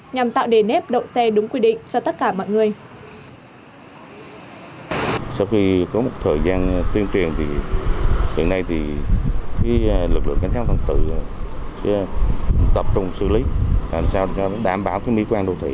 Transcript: nhằm tạo đề nếp đỗ xe đúng quy định cho tất cả mọi người